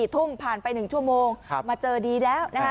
ทุ่มผ่านไป๑ชั่วโมงมาเจอดีแล้วนะคะ